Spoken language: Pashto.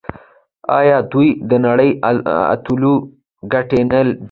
آیا دوی د نړۍ اتلولي ګټلې نه ده؟